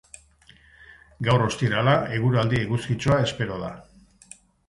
Gaur, ostirala, eguraldi eguzkitsua espero da.